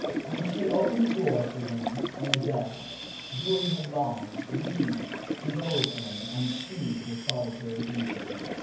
When she had opened the door for him in the dusk, Julie had longed, indeed, to go with him and soothe his solitary evening.